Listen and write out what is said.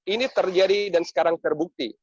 ini terjadi dan sekarang terbukti